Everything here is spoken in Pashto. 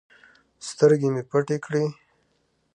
سترگې مې پټې کړې.